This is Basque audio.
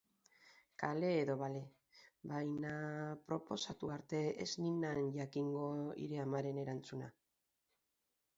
Kale edo bale, baina proposatu arte ez ninan jakingo hire amaren erantzuna.